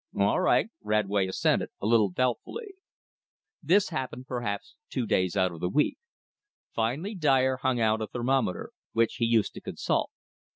"All right," Radway assented, a little doubtfully. This happened perhaps two days out of the week. Finally Dyer hung out a thermometer, which he used to consult.